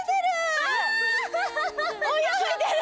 泳いでる！